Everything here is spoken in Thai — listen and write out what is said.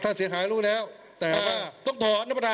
ถ้าเสียหายรู้แล้วแต่ว่าต้องถอนท่านประธาน